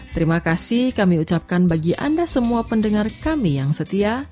terima kasih kami ucapkan bagi anda semua pendengar kami yang setia